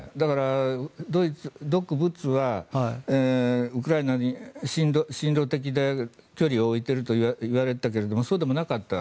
独仏はウクライナが親ロ的で距離を置いているといわれていたけどもそうでもなかった。